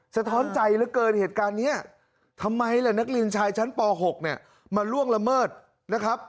สะท้อนใจเหลือเกินเหตุการณ์นี้ทำไมล่ะนักเรียนชายชั้นป๖เนี่ยมาล่วงละเมิดนะครับ